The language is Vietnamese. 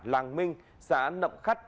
làng minh xã nậm khắt